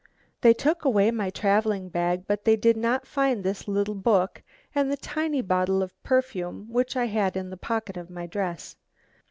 "They took away my travelling bag, but they did not find this little book and the tiny bottle of perfume which I had in the pocket of my dress.